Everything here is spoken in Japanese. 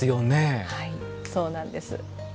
はいそうなんです。